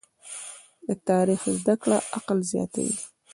د تاریخ زده کړه عقل زیاتوي.